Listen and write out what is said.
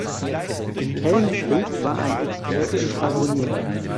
Helmfried war ein Experte im schwadronieren.